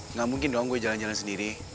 nggak mungkin dong gue jalan jalan sendiri